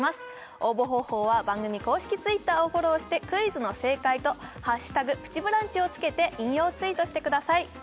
応募方法は番組公式Ｔｗｉｔｔｅｒをフォローしてクイズの正解と「＃プチブランチ」をつけて引用ツイートしてください